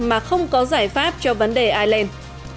mà không có giải pháp cho vấn đề ireland